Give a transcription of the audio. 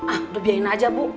ah udah biayain aja bu